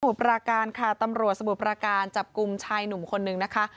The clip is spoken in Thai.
ปราการค่ะตำรวจสมุทรประการจับกลุ่มชายหนุ่มคนนึงนะคะ